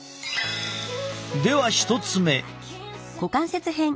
では１つ目。